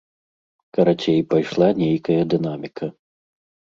Карацей, пайшла нейкая дынаміка.